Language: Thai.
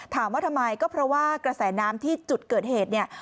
ถามว่าทำไมก็เพราะว่ากระแสน้ำที่จุดเกิดเหตุเนี่ย